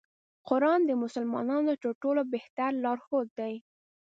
قرآن د مسلمانانو تر ټولو بهتر لار ښود دی.